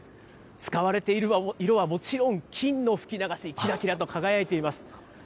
使われている色はもちろん、金のふき流し、きらきらと輝いています。